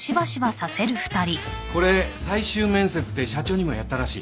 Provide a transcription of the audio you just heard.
これ最終面接で社長にもやったらしい。